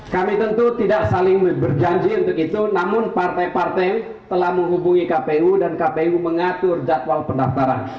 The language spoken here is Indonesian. kami tentu tidak saling berjanji untuk itu namun partai partai telah menghubungi kpu dan kpu mengatur jadwal pendaftaran